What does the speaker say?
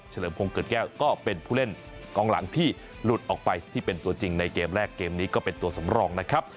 เลิมพงศเกิดแก้วก็เป็นผู้เล่นกองหลังที่หลุดออกไปที่เป็นตัวจริงในเกมแรกเกมนี้ก็เป็นตัวสำรองนะครับ